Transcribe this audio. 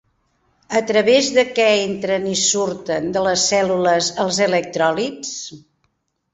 A través de què entren i surten de les cèl·lules els electròlits?